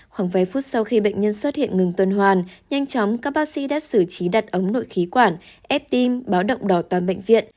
khoảng vài phút sau khi bệnh nhân xuất hiện ngừng tuần hoàn nhanh chóng các bác sĩ đã xử trí đặt ống nội khí quản ép tim báo động đỏ toàn bệnh viện